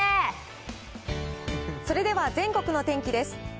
それでは全国の天気です。